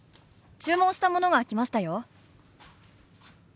注文したものが来ましたよ。